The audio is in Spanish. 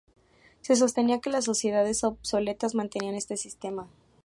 Se sostenía que las sociedades "obsoletas" mantenían este sistema.